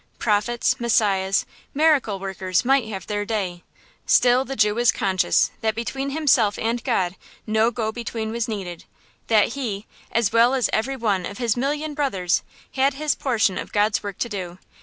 Prophets, messiahs, miracle workers might have their day, still the Jew was conscious that between himself and God no go between was needed; that he, as well as every one of his million brothers, had his portion of God's work to do.